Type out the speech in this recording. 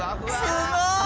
すごい！